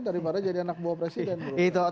daripada jadi anak buah presiden